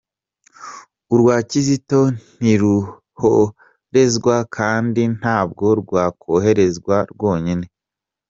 Urwa Kizito ntiruroherezwa kandi ntabwo rwakoherezwa rwonyine.